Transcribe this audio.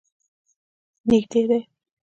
نږدې دی.